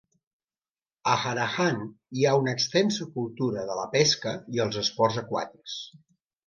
A Hanahan hi ha una extensa cultura de la pesca i els esports aquàtics.